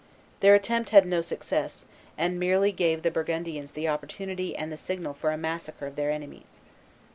Their attempt had no success, and merely gave the Burgundians the opportunity and the signal for a massacre of their enemies.